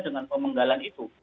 dengan pemenggalan itu